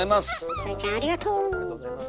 キョエちゃんありがと！